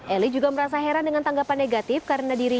eli juga merasa heran dengan tanggapan negatif karena dirinya